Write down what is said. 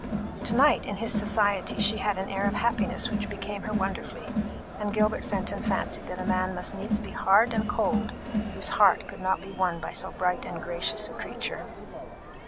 To night, in his society, she had an air of happiness which became her wonderfully; and Gilbert Fenton fancied that a man must needs be hard and cold whose heart could not be won by so bright and gracious a creature.